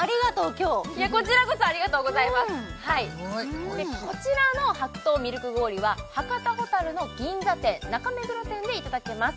今日いやこちらこそありがとうございますすごいこちらの白桃ミルク氷は博多ほたるの銀座店中目黒店でいただけます